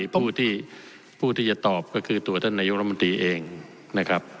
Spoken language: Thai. ผู้ที่ผู้ที่จะตอบก็คือตัวท่านนายกรมนตรีเองนะครับ